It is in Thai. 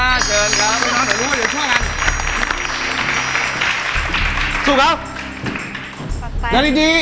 เรียนดีครับในข้อนี้